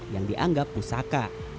yang dianggap pusaka